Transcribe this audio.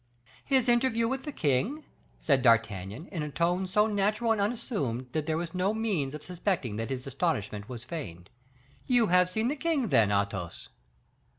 "His interview with the king?" said D'Artagnan, in a tone so natural and unassumed that there was no means of suspecting that his astonishment was feigned. "You have seen the king, then, Athos?"